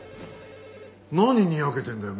何にやけてんだよ